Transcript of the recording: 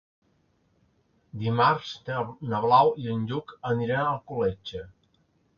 Dimarts na Blau i en Lluc iran a Alcoletge.